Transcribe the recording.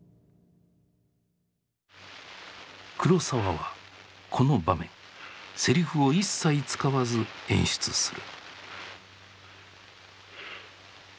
黒澤はこの場面セリフを一切使わず演出する。